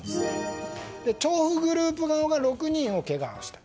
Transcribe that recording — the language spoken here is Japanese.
調布グループ側が６人けがをした。